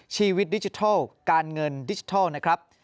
ชีวิตดิจิทัลการเงินดิจิทัลนะครับ